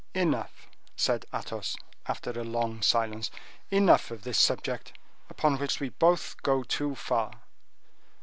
"Enough," said Athos, after a long silence, "enough of this subject, upon which we both go too far.